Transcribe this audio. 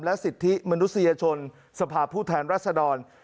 และสิทธิมนุษยชนสภาพผู้แทนรัฐธรรม